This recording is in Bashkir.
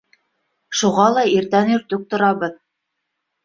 Шуға ла иртән иртүк торабыҙ.